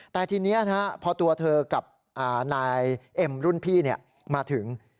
แต่ทีนี้พอตัวเธอกับนายเอ็มรุ่นพี่มาถึง